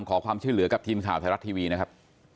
ขอความช่วยเหลือกับทีมข่าวไทยรัฐทีวีนะครับ